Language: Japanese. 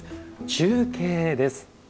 中継です。